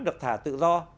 được thả tự do